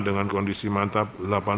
dengan kondisi mantap